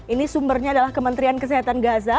ini sumbernya adalah kementerian kesehatan gaza